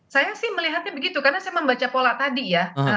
saya sih melihatnya begitu karena saya membaca pola tadi ya